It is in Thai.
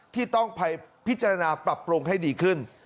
ที่ต้องไปพิจารณาปรับปรุงให้ดีขึ้น